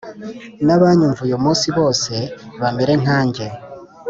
N abanyumva uyu munsi bose bamere nkanjye